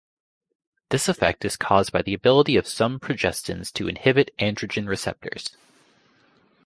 This effect is caused by the ability of some progestins to inhibit androgen receptors.